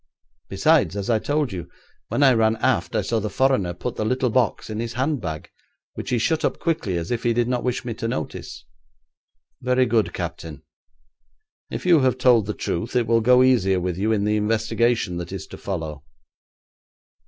Besides, as I told you, when I ran aft I saw the foreigner put the little box in his handbag, which he shut up quickly as if he did not wish me to notice.' 'Very good, captain. If you have told the truth it will go easier with you in the investigation that is to follow.'